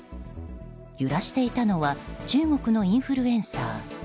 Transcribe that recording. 揺らしていたのは中国のインフルエンサー。